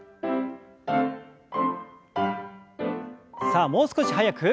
さあもう少し速く。